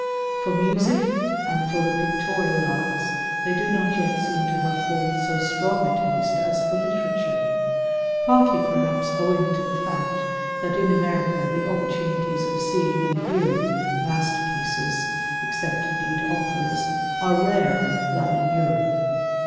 For music and for the pictorial arts they do not yet seem to have formed so strong a taste as for literature; partly perhaps owing to the fact that in America the opportunities of seeing and hearing masterpieces, except indeed operas, are rarer than in Europe.